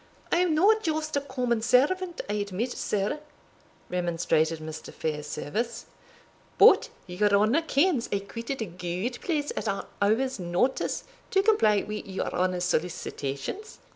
"I am no just a common servant, I admit, sir," remonstrated Mr. Fairservice; "but your honour kens I quitted a gude place at an hour's notice, to comply wi' your honour's solicitations.